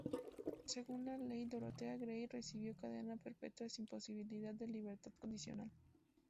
Según la ley, Dorothea Grey recibió cadena perpetua sin posibilidad de libertad condicional.